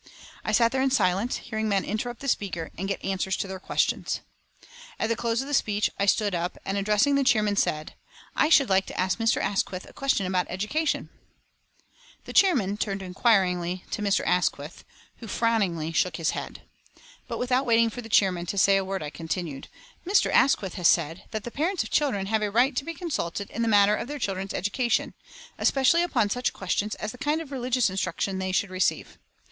I sat there in silence, hearing men interrupt the speaker and get answers to their questions. At the close of the speech I stood up and, addressing the chairman, said: "I should like to ask Mr. Asquith a question about education." The chairman turned inquiringly to Mr. Asquith, who frowningly shook his head. But without waiting for the chairman to say a word, I continued: "Mr. Asquith has said that the parents of children have a right to be consulted in the matter of their children's education, especially upon such questions as the kind of religious instruction they should receive.